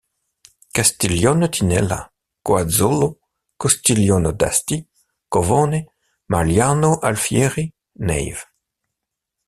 Castiglione Tinella, Coazzolo, Costigliole d'Asti, Govone, Magliano Alfieri, Neive.